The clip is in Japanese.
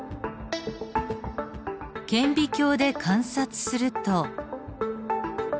顕微鏡で観察すると。